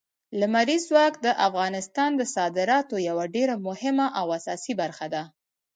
لمریز ځواک د افغانستان د صادراتو یوه ډېره مهمه او اساسي برخه ده.